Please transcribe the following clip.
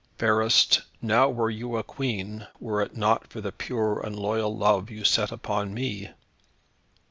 Fairest, now were you a queen, were it not for the pure and loyal love you set upon me?